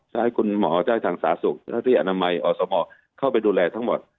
ให้คุณหมอได้ทางสาสุขเจ้าที่อนามัยอสมเข้าไปดูแลทั้งหมด